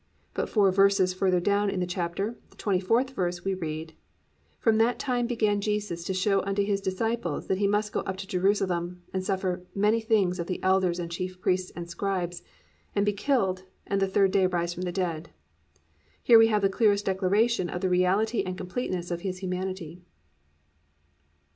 But four verses further down in the chapter, the 24th verse, we read, +"From that time began Jesus to show unto his disciples that he must go up unto Jerusalem, and suffer many things of the elders and chief priests and scribes, and be killed, and the third day rise from the dead."+ Here we have the clearest declaration of the reality and completeness of His humanity.